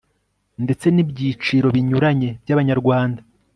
ndetse n'ibyiciro binyuranyeby'abanyarwanda